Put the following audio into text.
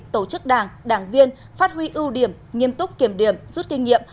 tổ chức đảng đảng viên phát huy ưu điểm nghiêm túc kiểm điểm rút kinh nghiệm